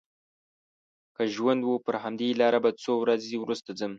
که ژوند و پر همدې لاره به څو ورځې وروسته ځم.